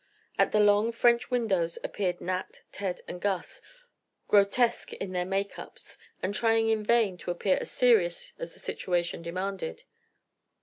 At the long French windows appeared Nat, Ted and Gus, grotesque in their make ups and trying in vain to appear as serious as the situation demanded.